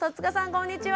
こんにちは！